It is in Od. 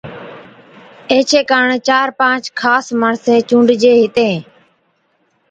ايڇي ڪاڻ چار پانچ خاص ماڻسين چُونڊجي ھِتين